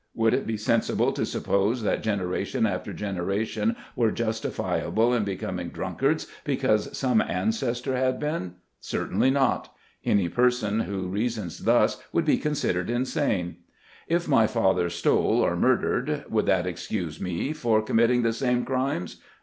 Would it be sensible to suppose that generation after generation were justifiable in becoming drunk ards, because some ancestor had been ? Certainly not ; any person who reasoned thus would be con sidered insane. If my father stole, or murdered, would that excuse me for committing the same crimes